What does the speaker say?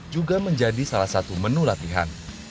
juga menjadi salah satu menu latihan